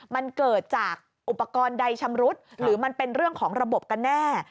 มันเกิดจากอุปกรณ์ใดชำรุดหรือมันเป็นเรื่องของระบบกันแน่